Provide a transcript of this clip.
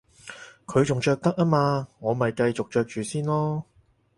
佢仲着得吖嘛，我咪繼續着住先囉